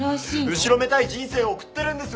後ろめたい人生を送ってるんですよ